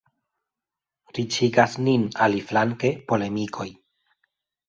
Riĉigas nin, aliflanke, polemikoj.